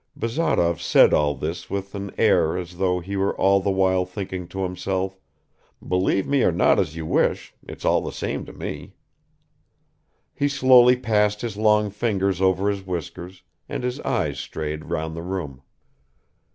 Bazarov said all this with an air as though he were all the while thinking to himself. "Believe me or not as you wish, it's all the same to me!" He slowly passed his long fingers over his whiskers and his eyes strayed round the room.